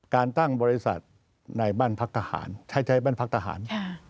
การตั้งบริษัทในบ้านพักทหารใช้บ้านพักทหาร